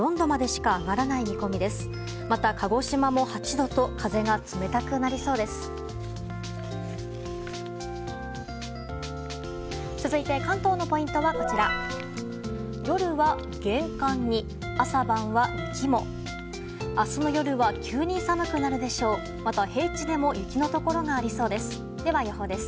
また、平地でも雪のところがありそうです。